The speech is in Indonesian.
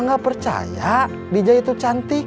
emak gak percaya dija itu cantik